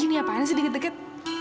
ini apaan sih di deket deket